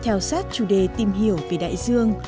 theo sát chủ đề tìm hiểu về đại dương